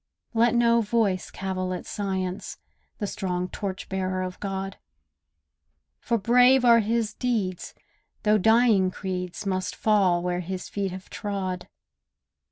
Let no voice cavil at Science— The strong torch bearer of God; For brave are his deeds, though dying creeds, Must fall where his feet have trod.